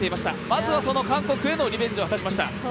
まずはその韓国へのリベンジを果たしました。